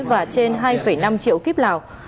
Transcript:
và trên hai năm triệu kíp lào